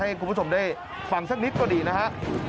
ให้คุณผู้ชมได้ฟังสักนิดก็ดีนะฮะ